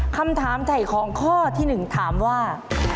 คำถามไถ่ของข้อที่๑ถามว่า